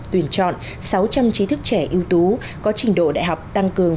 tuyển chọn sáu trăm linh trí thức trẻ ưu tú có trình độ đại học tăng cường